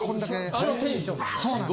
あのテンションなの？